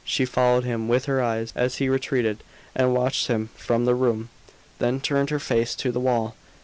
She followed him with her eyes as he retreated, and watched him from the room: then turned her face to the wall.